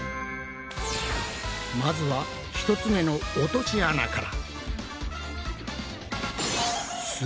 まずは１つ目の落とし穴から。